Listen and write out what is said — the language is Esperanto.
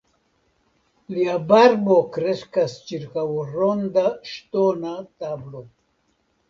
Lia barbo kreskas ĉirkaŭ ronda ŝtona tablo.